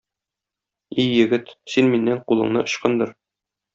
И егет, син миннән кулыңны ычкындыр.